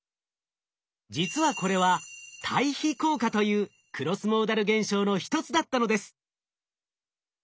実はこれは対比効果というクロスモーダル現象の一つだったのです。